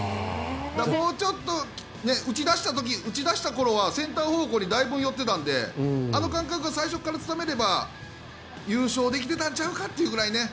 ちょっと打ち出したころはセンター方向にだいぶ寄っていたのであの感覚が最初からつかめれば優勝できてたんちゃうかってぐらいにね。